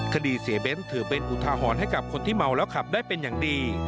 คดีเสียเบ้นถือเป็นอุทาหรณ์ให้กับคนที่เมาแล้วขับได้เป็นอย่างดี